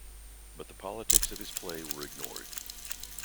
But the politics of his play were ignored.